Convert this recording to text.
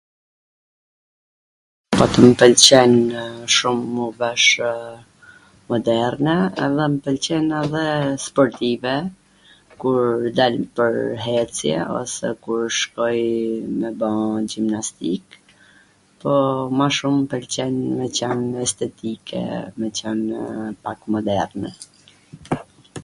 mw pwlqen shum m' u veshw moderne, dhe m pwlqen edhe sportive kuur dal pwr ecje ose kur shkoj me ba gjimnastik, po ma shum m pwlqen me qwn estetike, me qwnw pak moderne